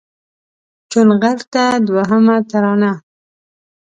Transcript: چونغرته دوهمه ترانه